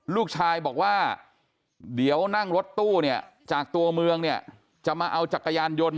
ลูกชายบอกว่าเดี๋ยวนั่งรถตู้เนี่ยจากตัวเมืองเนี่ยจะมาเอาจักรยานยนต์